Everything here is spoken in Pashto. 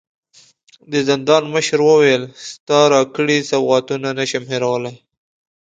د زندان مشر وويل: ستا راکړي سوغاتونه نه شم هېرولی.